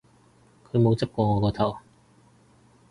佢冇執過我個頭